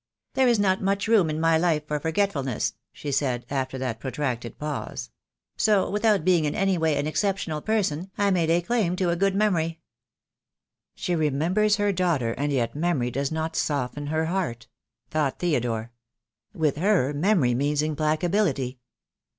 "There is not much room in my life for forge t fulness," she said, after that protracted pause. "So without being in any way an exceptional person, I may lay claim to a good memory." "She remembers her daughter, and yet memory does not soften her heart," thought Theodore. "With her memory means implacability."